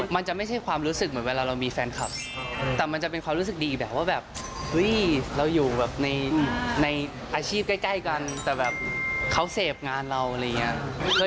มันจะไม่ใช่ความรู้สึกเหมือนเวลาเรามีแฟนคลับแต่มันจะเป็นความรู้สึกดีแบบว่าแบบเฮ้ยเราอยู่แบบในอาชีพใกล้กันแต่แบบเขาเสพงานเราอะไรอย่างนี้